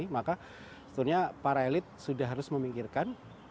maka setelahnya para elit sudah harus memingkirkan